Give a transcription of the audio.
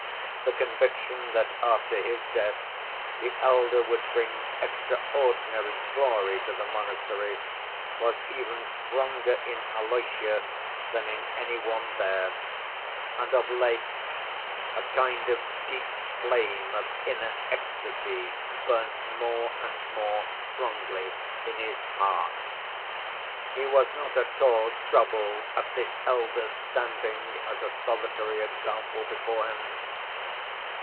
The conviction that after his death the elder would bring extraordinary glory to the monastery was even stronger in Alyosha than in any one there, and, of late, a kind of deep flame of inner ecstasy burnt more and more strongly in his heart. He was not at all troubled at this elder's standing as a solitary example before him.